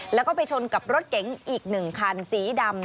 แล้วก็ไปชนกับรถเก๋งอีก๑คันสีดำ